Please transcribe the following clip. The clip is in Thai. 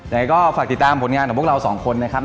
ไหนก็ฝากติดตามผลงานของพวกเราสองคนนะครับ